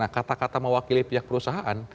nah kata kata mewakili pihak perusahaan